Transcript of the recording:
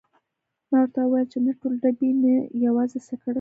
ما ورته وویل چې نه ټول ډبې نه، یوازې یو سګرټ راکړه.